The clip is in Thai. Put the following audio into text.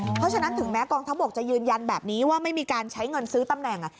เพราะฉะนั้นถึงแม้กองทัพบกจะยืนยันแบบนี้ว่าไม่มีการใช้เงินซื้อตำแหน่ง